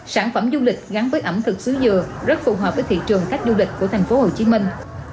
sản phẩm du lịch gắn với ẩm thực sứ dừa rất phù hợp với thị trường khách du lịch của thành phố hồ chí minh